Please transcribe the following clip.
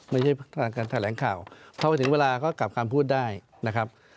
ไม่ใช่การแถลงข่าวพอไปถึงเวลาก็กลับคำพูดได้นะครับ